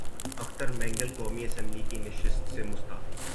اختر مینگل قومی اسمبلی کی نشست سے مستعفی